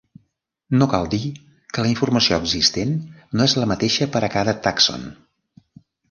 No cal dir que la informació existent no és la mateixa per a cada tàxon.